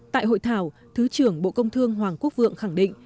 tại hội thảo thứ trưởng bộ công thương hoàng quốc vượng khẳng định